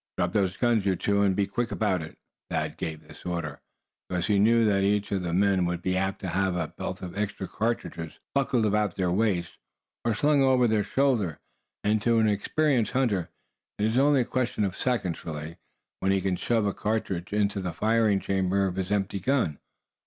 "Drop those guns, you two, and be quick about it!" Thad gave this order, because he knew that each of the men would be apt to have a belt of extra cartridges buckled about their waists, or slung over their shoulder. And to an experienced hunter, it is only a question of seconds, really, when he can shove a single charge into the firing chamber of his empty gun.